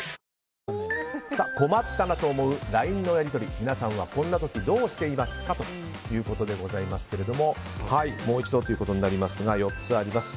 困ったなと思うＬＩＮＥのやり取り皆さんはこんな時どうしていますか、ということでもう一度ですが、４つあります。